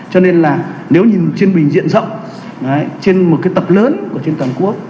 cho nên là nếu nhìn trên bình diện rộng trên một tập lớn của trên toàn quốc